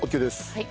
はい。